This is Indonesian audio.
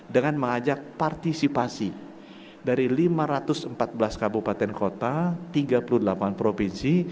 dengan mengajak partisipasi dari lima ratus empat belas kabupaten kota tiga puluh delapan provinsi